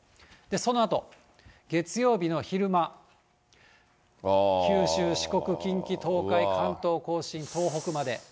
そのあと月曜日の昼間、九州、四国、近畿、東海、関東甲信、東北まで。